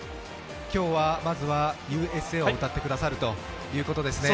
今日はまずは「Ｕ．Ｓ．Ａ．」を歌ってくださるということですね。